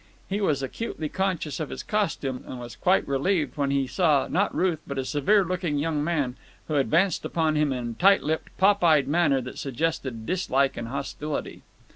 He was acutely conscious of his costume, and was quite relieved when he saw, not Ruth, but a severe looking young man, who advanced upon him in a tight lipped, pop eyed manner that suggested dislike and hostility.